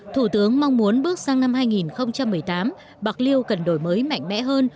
thủ tướng mong muốn bước sang năm hai nghìn một mươi tám bạc liêu cần đổi mới mạnh mẽ hơn